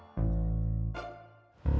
bersatu kembali seperti di masa lalu